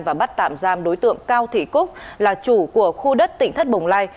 và bắt tạm giam đối tượng cao thị cúc là chủ của khu đất tỉnh thất bồng lai